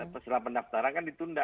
pesela pendaftaran kan ditunda